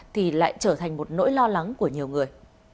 thì lại trở thành một nỗi lo lắng của nhiều người